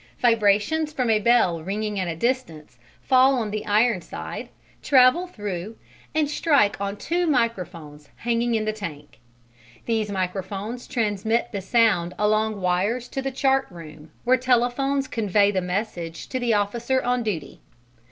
Vibrations from a bell ringing at a distance fall on the iron side, travel through, and strike on two microphones hanging in the tank. These microphones transmit the sound along wires to the chart room, where telephones convey the message to the officer on duty.